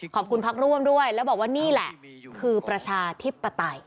ขอบคุณพักร่วมด้วยแล้วบอกว่านี่แหละคือประชาธิปไตย